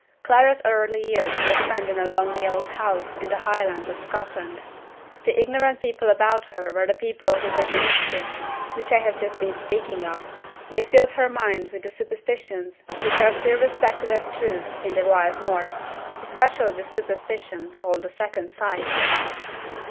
Clara's early years were spent in a lonely old house in the Highlands of Scotland. The ignorant people about her were the people who did the mischief which I have just been speaking of. They filled her mind with the superstitions which are still respected as truths in the wild North especially the superstition called the Second Sight."